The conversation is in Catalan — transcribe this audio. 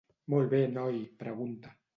Molt bé noi, pregunta.